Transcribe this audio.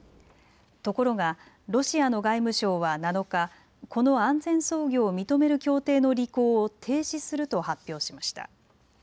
ところがロシアの外務省は７日、この安全操業を認める協定の履行を停止すると発表しました。